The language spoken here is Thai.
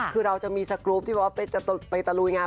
คือเราจะมีสะกุ๊บเป็นประตูไปตะลุยงาน